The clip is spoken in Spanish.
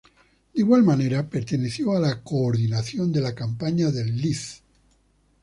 De igual manera, perteneció a la coordinación de la campaña del Lic.